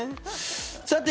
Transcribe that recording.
さて、